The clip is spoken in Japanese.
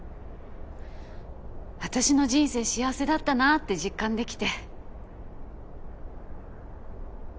私の人生幸せだったなぁって実感できて。